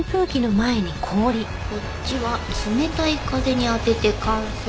こっちは冷たい風に当てて乾燥させると。